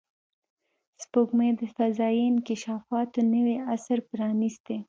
سپوږمۍ د فضایي اکتشافاتو نوی عصر پرانستی